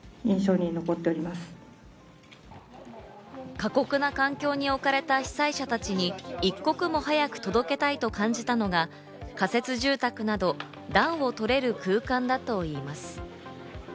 過酷な環境に置かれた被災者たちに、一刻も早く届けたいと感じたのが、仮設住宅など、暖を取れる空間だといいます。